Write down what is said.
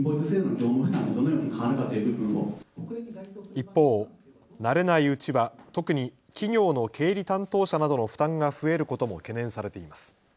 一方、慣れないうちは特に企業の経理担当者などの負担が増えることも懸念されています。